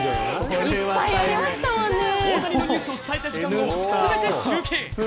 大谷のニュースを伝えた時間を全て集計。